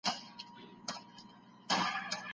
ډېوې د اُمیدنو مو لا بلي دي ساتلي